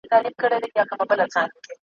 که څوک دي نه پېژني په مسجد کي غلا وکړه `